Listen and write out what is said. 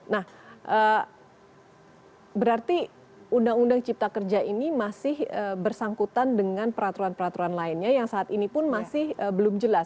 nah berarti undang undang cipta kerja ini masih bersangkutan dengan peraturan peraturan lainnya yang saat ini pun masih belum jelas